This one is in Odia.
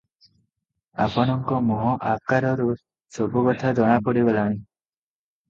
ଆପଣଙ୍କ ମୁହଁ ଆକାରରୁ ସବୁକଥା ଜଣାପଡ଼ିଗଲାଣି ।